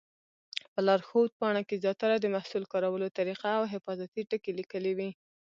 په لارښود پاڼه کې زیاتره د محصول کارولو طریقه او حفاظتي ټکي لیکلي وي.